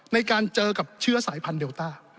ในการเจอกับเชื้อสายพันธุเดลต้า